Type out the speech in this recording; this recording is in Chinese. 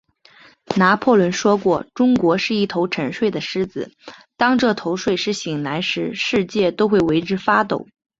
拿破仑说过，中国是一头沉睡的狮子，当这头睡狮醒来时，世界都会为之发抖。